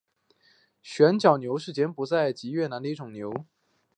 旋角牛是柬埔寨及越南的一种牛。